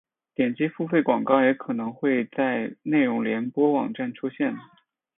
点击付费广告也可能会在内容联播网站出现。